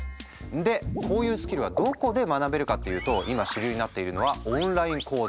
でこういうスキルはどこで学べるかっていうと今主流になっているのはオンライン講座。